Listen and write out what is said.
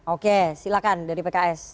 oke silahkan dari pks